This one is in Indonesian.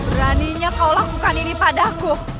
beraninya kau lakukan ini padaku